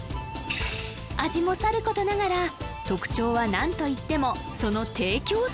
味もさることながら特徴はなんといってもその提供